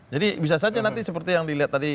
jadi bisa saja nanti seperti yang dilihat tadi